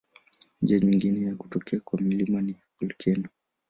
Njia nyingine ya kutokea kwa milima ni volkeno.